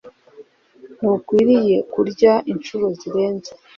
Ntukwiriye kurya inshuro zirenze